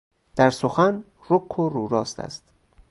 در سخن رک و رو راست است.